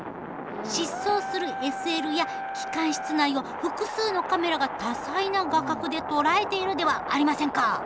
疾走するＳＬや機関室内を複数のカメラが多彩な画角で捉えているではありませんか。